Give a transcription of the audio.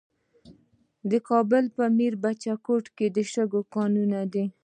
د کابل په میربچه کوټ کې د شګو کانونه دي.